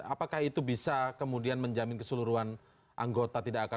apakah itu bisa kemudian menjamin keseluruhan anggota tidak akan